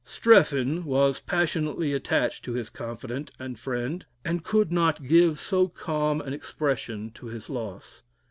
"Strephon" was passionately attached to his confidant and friend, and could not give so calm an expression to his loss.